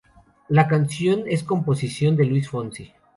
La canción es composición de Luis Fonsi.